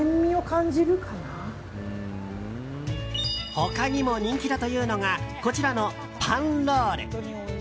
他にも人気だというのがこちらのパンロール。